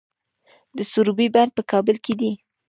د سروبي بند په کابل کې دی